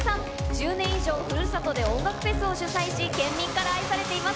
１０年以上、ふるさとで音楽フェスを主催し、県民から愛されています。